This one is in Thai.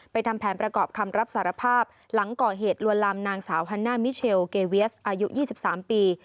ทำแผนประกอบคำรับสารภาพหลังก่อเหตุลวนลามนางสาวฮันน่ามิเชลเกเวียสอายุ๒๓ปี